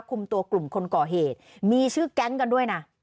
คุมตัวกลุ่มคนก่อเหตุมีชื่อแก๊งกันด้วยนะ